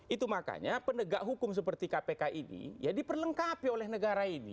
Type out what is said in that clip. itu makanya penegak hukum seperti kpk ini ya diperlengkapi oleh negara ini